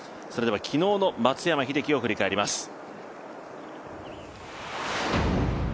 それでは昨日の松山英樹を振り返ります。